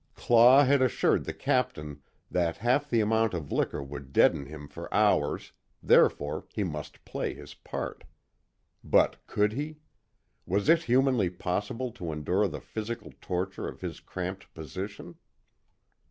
Claw had assured the Captain that half the amount of liquor would deaden him for hours, therefore he must play his part. But could he? Was it humanly possible to endure the physical torture of his cramped position.